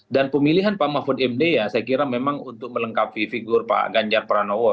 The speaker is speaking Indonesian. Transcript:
dan pemilihan pak mahfud imli ya saya kira memang untuk melengkapi figur pak ganjar pranowo